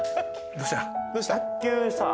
どうした？